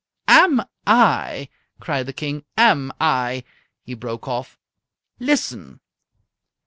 "Am I!" cried the King. "Am I!" He broke off. "Listen!"